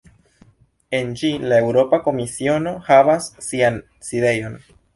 En ĝi la Eŭropa Komisiono havas sian sidejon.